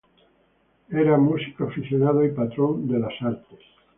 Era músico aficionado y patrón de las artes.